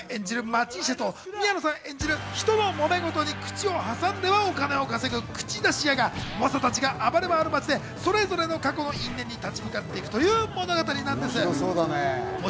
町医者と宮野さん演じる、人のもめ事に口を挟んではお金を稼ぐ口出し屋が猛者たちが暴れ回る街でそれぞれの過去の因縁に立ち向かっていくという物語です。